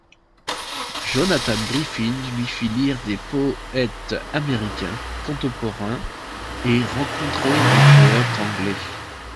Jonathan Griffin lui fait lire des poètes américains contemporains et rencontrer des poètes anglais.